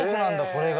これが。